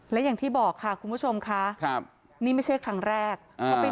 และอย่างที่บอกค่ะคุณผู้ชมค่ะครับนี่ไม่ใช่ครั้งแรก